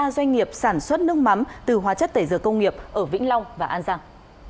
ba doanh nghiệp sản xuất nước mắm từ hóa chất tẩy dừa công nghiệp ở vĩnh long và an giang